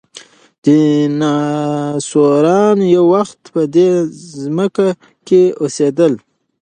ډیناسوران یو وخت په دې ځمکه کې اوسېدل.